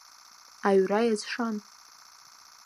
Аҩра иазшан.